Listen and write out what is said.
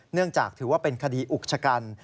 เนื่องจากถือว่าเป็นคดีอุกชะกัน